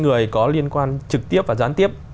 người có liên quan trực tiếp và gián tiếp